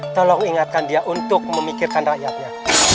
tolong ingatkan dia untuk memikirkan rakyatnya